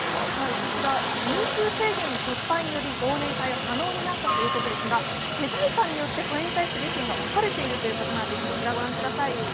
こちら人数制限の撤廃により忘年会は可能になったんですが世代間によってこれに対する意見が分かれているということです。